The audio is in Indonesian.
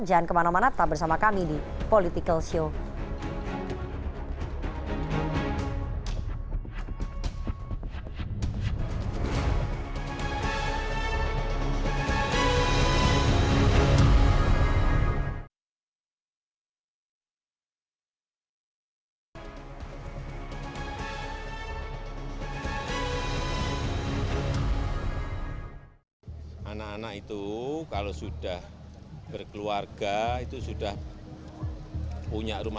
jangan kemana mana tetap bersama kami di politikkel show